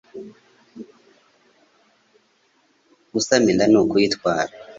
Gusama inda ni ukuyitwara